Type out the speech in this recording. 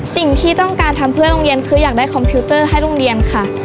สิ่งที่ต้องการทำเพื่อโรงเรียนคืออยากได้คอมพิวเตอร์ให้โรงเรียนค่ะ